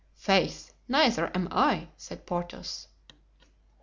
"Faith! neither am I," said Porthos.